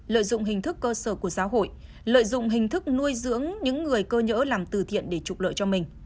lợi dụng hình thức cơ sở của xã hội lợi dụng hình thức nuôi dưỡng những người cơ nhỡ làm từ thiện để trục lợi cho mình